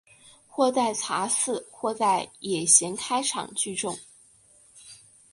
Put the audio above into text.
或在茶肆或在野闲开场聚众。